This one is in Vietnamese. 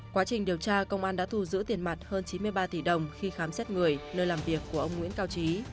quá trình điều tra công an đã thu giữ tiền mặt hơn chín mươi ba tỷ đồng khi khám xét người nơi làm việc của ông nguyễn cao trí